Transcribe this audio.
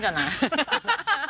ハハハハ。